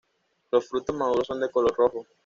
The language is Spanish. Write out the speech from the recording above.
Los frutos maduros son de color rojo.